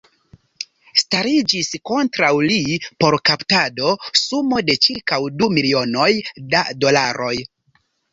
Stariĝis kontraŭ li por kaptado sumo de ĉirkaŭ du milionoj da dolaroj.